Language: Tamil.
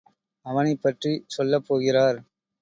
அவனைப் பற்றிச் சொல்லப் போகிறார்.